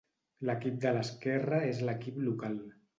L'equip de l'esquerra és l'equip local.